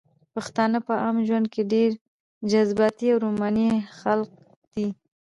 پښتانه په عام ژوند کښې ډېر جذباتي او روماني خلق دي